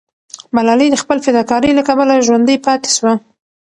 ملالۍ د خپل فداکارۍ له کبله ژوندی پاتې سوه.